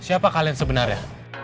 siapa kalian sebenarnya